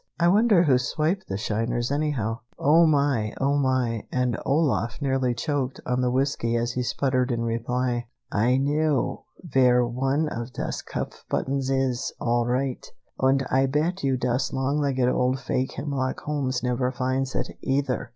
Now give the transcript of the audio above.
I wonder who swiped the shiners, anyhow." "Oh, my! Oh, my!" and Olaf nearly choked on the whiskey as he spluttered in reply. "Ay know vere one of das cuff buttons is, all right! Und Ay bet you das long legged old fake Hemlock Holmes never finds it, either!